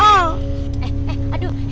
eh eh aduh